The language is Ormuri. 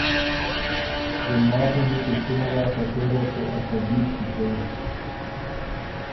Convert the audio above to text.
ګُلماتی دی پِشتِنه داک که سېره ر سُو ا طبیب کیڅېن؟